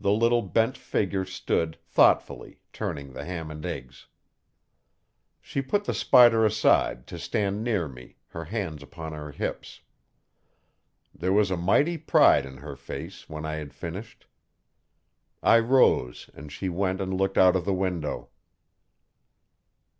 The little bent figure stood, thoughtfully, turning the ham and eggs. She put the spider aside, to stand near me, her hands upon her hips. There was a mighty pride in her face when I had finished. I rose and she went and looked out of the window.